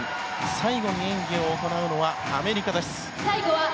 最後に演技を行うのはアメリカです。